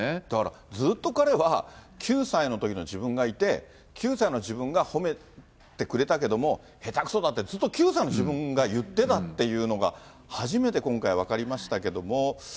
だからずっと彼は、９歳のときの自分がいて、９歳の自分が褒めてくれたけども、へたくそだって、ずっと９歳の自分が言ってたっていうのが、初めて今回分かりましたけども。